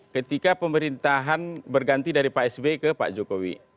ketika pemerintahan berganti dari pak sby ke pak jokowi